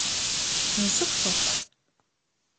Nseffeq.